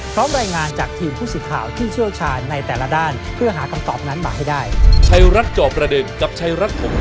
พร้อมรายงานจากทีมผู้สื่อข่าวที่เชี่ยวชาญในแต่ละด้านเพื่อหาคำตอบนั้นมาให้ได้